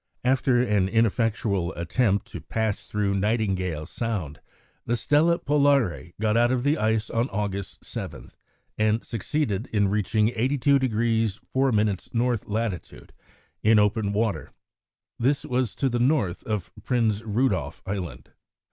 After an ineffectual attempt to pass through Nightingale Sound, the Stella Polare got out of the ice on August 7, and succeeded in reaching 82° 4' N. latitude in open water. This was to the north of Prinz Rudolf Island.